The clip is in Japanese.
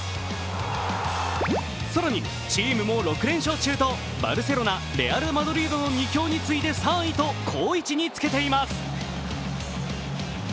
更に、チームも６連勝中とバルセロナ、レアル・マドリードの２強に次いで３位と好位置につけています。